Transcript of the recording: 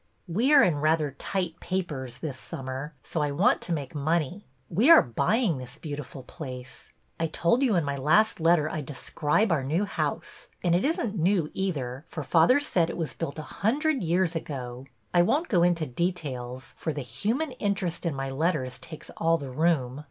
We are in rather tight papers this summer, so I want to make money. We are buying this beautiful place. I told you in my last letter I 'd describe our new house, and it is n't new either, for father said it was built a hundred years ago. I won't go into details, for the human interest " in my letters takes all the room!